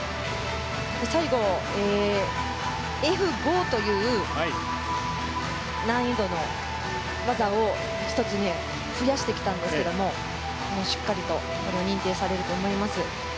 最後、Ｆ５という難易度の技を１つ、増やしてきたんですがしっかりと認定されると思います。